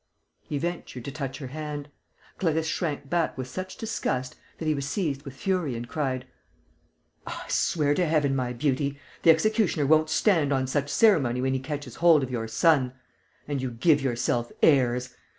He ventured to touch her hand. Clarisse shrank back with such disgust that he was seized with fury and cried: "Oh, I swear to heaven, my beauty, the executioner won't stand on such ceremony when he catches hold of your son!... And you give yourself airs!